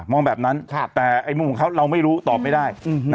มองแบบนั้นค่ะแต่ไอ้มุ่งของเขาเราไม่รู้ตอบไม่ได้อืม